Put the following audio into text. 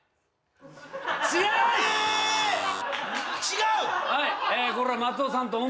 違う！？